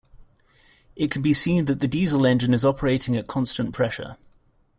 It can be seen that the diesel engine is operating at constant pressure.